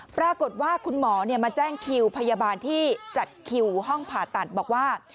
ปรากฏว่าคุณหมอมาแจ้งคิวพยาบาลที่จัดคิวห้องผ่าตัดบอกว่า